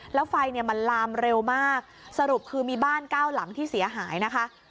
แล้วไฟเนี่ยมันลามเร็วมากสรุปคือมีบ้านเก้าหลังที่เสียหายนะคะ